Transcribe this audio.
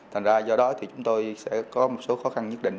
thành ra do đó thì chúng tôi sẽ có một số khó khăn nhất định